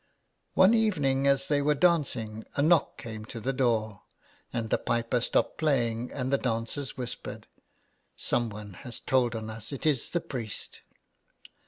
One evening, as they were dancing, a knock came to the door, and the piper stopped playing, and the dancers whispered :—*' Some one has told on us; it is the priest."